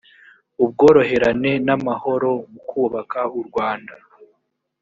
ubworoherane n amahoro mu kubaka u rwanda